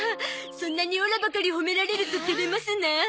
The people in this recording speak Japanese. そんなにオラばかり褒められると照れますなあ。